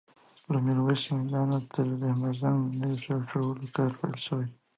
له ميرويس میدان نه تر دهمزنګ د نوي سړک جوړولو کار پیل شوی